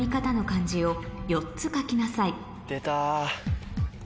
出た！